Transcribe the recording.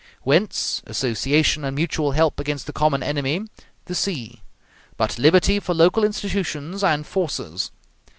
Whence, association and mutual help against the common enemy, the sea; but liberty for local institutions and forces.